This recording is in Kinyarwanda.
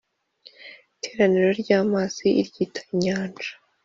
iteraniro ry’amazi iryita Inyanja.